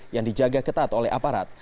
yang dijaga ketat oleh aparat